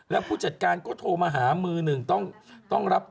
แล้วผู้จัดการก็โทรมาหามือหนึ่งต้องรับ